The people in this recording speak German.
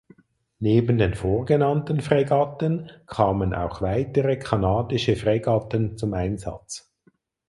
Neben den vorgenannten Fregatten kamen auch weitere kanadische Fregatten zum Einsatz.